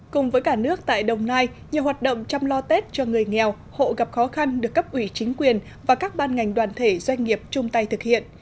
cùng với cả nước tại đồng nai nhiều hoạt động chăm lo tết cho người nghèo hộ gặp khó khăn được cấp ủy chính quyền và các ban ngành đoàn thể doanh nghiệp chung tay thực hiện